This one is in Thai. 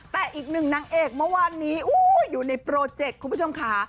แต่อีกหนึ่งนางเอกเมื่อวานนี้อยู่ในโปรเจคคุณผู้ชมค่ะ